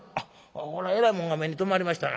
こらえらいもんが目に留まりましたな。